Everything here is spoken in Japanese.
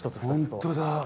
本当だ。